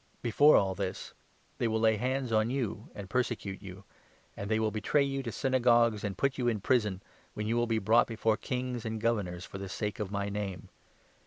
Before all this, they will 12 lay hands on you and persecute you, and they will betray you to Synagogues and put you in prison, when you will be brought before kings and governors for the sake of my Name.